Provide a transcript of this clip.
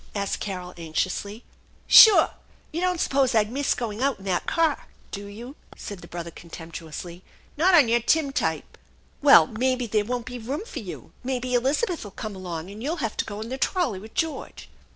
asked Carol anxiously. " Sure ! You don't suppose I'd miss going out 121 that car, do you ?" said the brother contemptuously. " Not on your tintype !"" Well, maybe there won't be room for you. Maybe Eliza beth'll come along, and you'll have to go in the trolley with George."